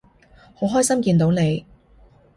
好開心見到你